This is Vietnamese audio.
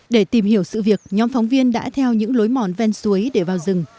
để tìm hiểu sự việc nhóm phóng viên đã theo những lối mòn ven suối để vào rừng